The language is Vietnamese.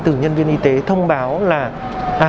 từ nhân viên y tế thông báo là